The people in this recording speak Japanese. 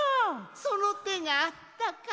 そのてがあったか。